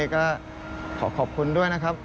ก็ขอขอบคุณด้วยนะครับ